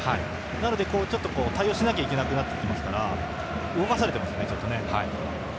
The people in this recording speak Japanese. なので、対応しなければいけなくなってきているので少し動かされていますね。